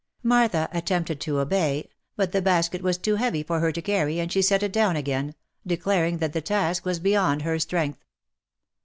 Martha attempted to obey, but the basket was too heavy for her to carry, and she set it down again, declaring that the task was beyond her strength.